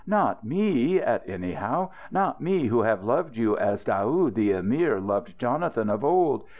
Not me, at anyhow? Not me, who have loved you as Daoud the Emir loved Jonathan of old!